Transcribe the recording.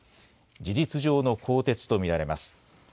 事実上の更迭と見られます。